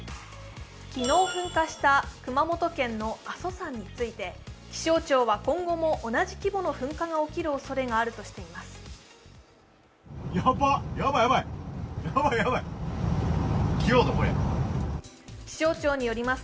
昨日噴火した熊本県阿蘇山について、気象庁は今後も同じ規模の噴火が起きるおそれがあるとしています。